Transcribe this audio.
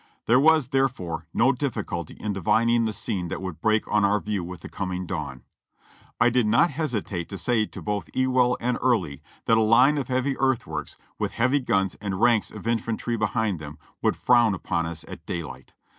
There was, therefore, no difficulty in divining the scene that would break on our view with the coming dawn. I did not hesitate to say to both Ewell and Early that a line of heavy earthworks, with heavy guns and ranks of infantry behind them, would frow'n upon us at daylig ht.